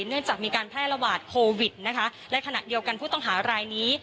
เนื่องจากมีการแพร่ระบาดโควิดนะคะและขณะเดียวกันผู้ต้องหารายนี้